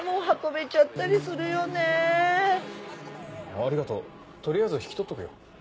ありがとう取りあえず引き取っとくよ。